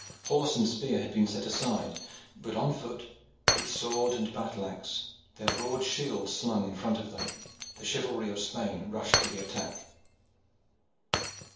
Horse and spear had been set aside, but on foot, with sword and battle axe, their broad shields slung in front of them, the chivalry of Spain rushed to the attack.